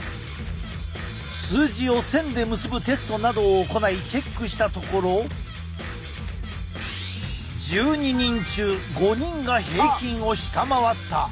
数字を線で結ぶテストなどを行いチェックしたところ１２人中５人が平均を下回った。